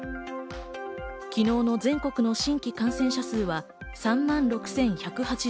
昨日の全国の新規感染者数は３万６１８９人。